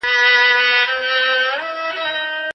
دغه کڅوڼه زما ورور واخیستله.